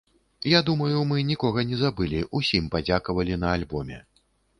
Я думаю, мы нікога не забылі, усім падзякавалі на альбоме.